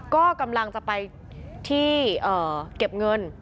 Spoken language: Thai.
ก็กำลังจะไปที่เก็บเงิน